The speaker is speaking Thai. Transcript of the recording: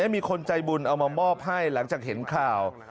มีคนใจบุญเอามามอบให้หลังจากเห็นข่าว